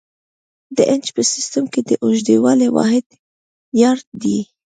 د انچ په سیسټم کې د اوږدوالي واحد یارډ دی.